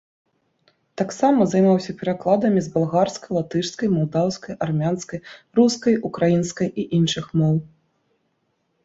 Таксама займаўся перакладамі з балгарскай, латышскай, малдаўскай, армянскай, рускай, украінскай і іншых моў.